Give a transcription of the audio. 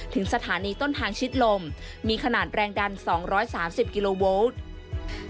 ถึงสถานีต้นทางชิดลมมีขนาดแรงดัน๒๓๐กิโลโวลต์